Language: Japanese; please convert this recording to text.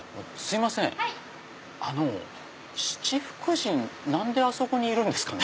七福神何であそこにいるんですかね？